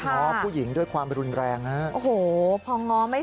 น้อผู้หญิงด้วยความรุนแรง